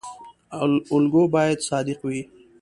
الګو باید صادق وي